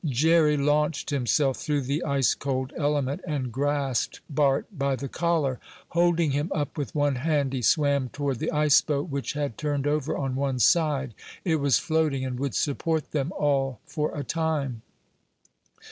Jerry launched himself through the ice cold element and grasped Bart by the collar. Holding him up with one hand, he swam toward the ice boat, which had turned over on one side. It was floating and would support them all for a time.